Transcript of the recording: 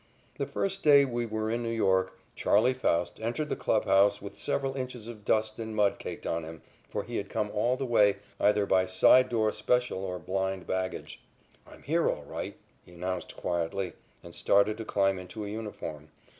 The first day we were in New York "Charley" Faust entered the clubhouse with several inches of dust and mud caked on him, for he had come all the way either by side door special or blind baggage. "I'm here, all right," he announced quietly, and started to climb into a uniform.